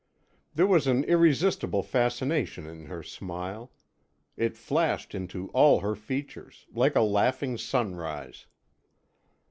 There was an irresistible fascination in her smile; it flashed into all her features, like a laughing sunrise.